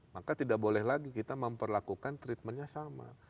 maka tidak boleh lagi kita memperlakukan treatmentnya sama